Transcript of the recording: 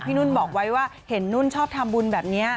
นุ่นบอกไว้ว่าเห็นนุ่นชอบทำบุญแบบนี้